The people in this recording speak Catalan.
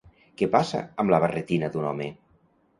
Què passa amb la barretina d'un home?